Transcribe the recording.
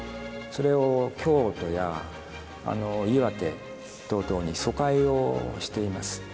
それを京都や岩手等々に疎開をしています。